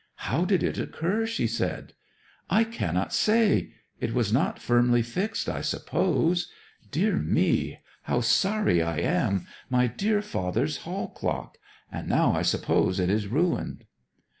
'How did it occur?' she said. 'I cannot say; it was not firmly fixed, I suppose. Dear me, how sorry I am! My dear father's hall clock! And now I suppose it is ruined.'